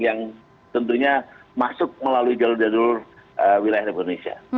yang tentunya masuk melalui jalur jalur wilayah indonesia